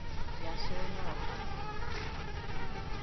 "Yes or no." 12.